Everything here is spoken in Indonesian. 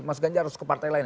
mas ganjar harus ke partai lain